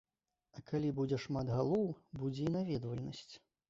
А калі будзе шмат галоў, будзе і наведвальнасць.